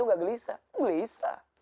enggak gelisah gelisah